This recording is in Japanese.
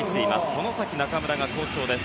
外崎、中村が好調です。